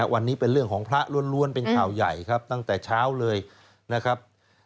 วันนี้เป็นเรื่องของพระล้วนเป็นข่าวใหญ่ครับตั้งแต่เช้าเลยนะครับ